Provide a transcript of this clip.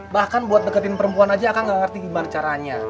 bahkan buat deketin perempuan aja aka gak ngerti gimana caranya